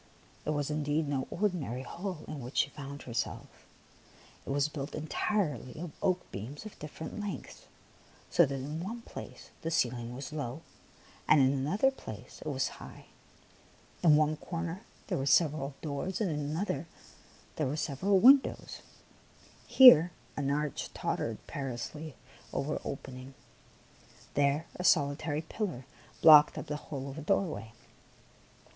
It was indeed no ordinary hall in which she found herself; it was built entirely of oak beams of different lengths, so that in one place the ceiling was low and in another place it was high, in one corner there were several doors, and in another there were several windows ; here an arch tottered perilously over an open ing, and there a solitary pillar blocked up the whole of a doorway.